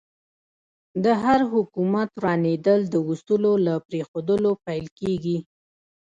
د هر حکومت ورانېدل د اصولو له پرېښودلو پیل کېږي.